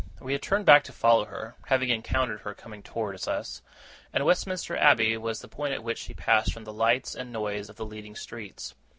We had turned back to follow her, having encountered her coming towards us; and Westminster Abbey was the point at which she passed from the lights and noise of the leading streets.